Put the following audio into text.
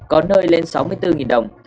có nơi lên sáu mươi bốn đồng